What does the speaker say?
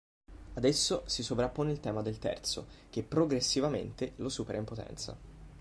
Ad esso si sovrappone il tema del terzo, che progressivamente lo supera in potenza.